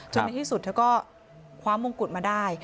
ในที่สุดเธอก็คว้ามงกุฎมาได้